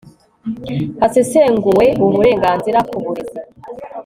hasesenguwe uburenganzira ku burezi